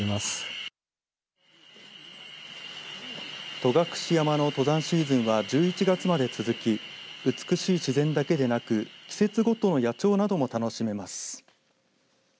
戸隠山の登山シーズンは１１月まで続き美しい自然だけでなく季節ごとの野鳥なども楽しめます。